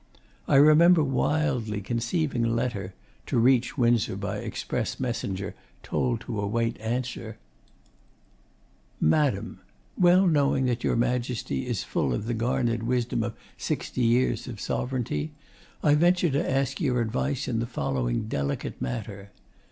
I remember wildly conceiving a letter (to reach Windsor by express messenger told to await answer): 'MADAM, Well knowing that your Majesty is full of the garnered wisdom of sixty years of Sovereignty, I venture to ask your advice in the following delicate matter.